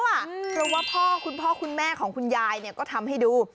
เพราะว่าพ่อคุณพ่อคุณแม่ของคุณยายก็ทำให้ดู